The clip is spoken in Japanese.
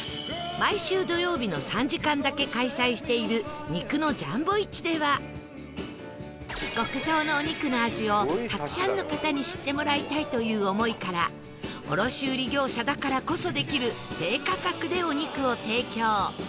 毎週土曜日の３時間だけ開催している肉のジャンボ市では極上のお肉の味をたくさんの方に知ってもらいたいという思いから卸売業者だからこそできる低価格でお肉を提供